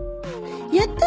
「やった！